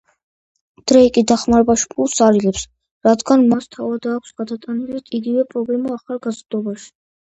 დრეიკი დახმარებაში ფულს არ იღებს, რადგან მას თავად აქვს გადატანილი იგივე პრობლემა ახალგაზრდობაში.